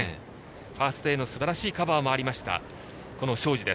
ファーストへのすばらしいカバーもありました、庄司。